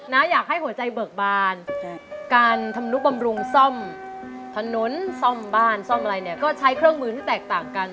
อยากให้หัวใจเบิกบานการทำนุบำรุงซ่อมถนนซ่อมบ้านซ่อมอะไรเนี่ยก็ใช้เครื่องมือที่แตกต่างกัน